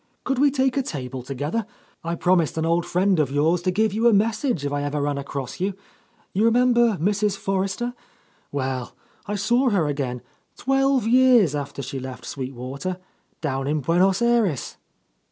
Could we take a table together? I promised an old friend of yours to give you a message, if I ever ran across you. You remember Mrs. For rester? Well, I saw her again, twelve years after she left Sweet Water, — down in Buenos Ayres."